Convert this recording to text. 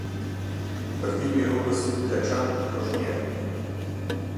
Ndërtimi i rrugës: Deçan-Kozhnjer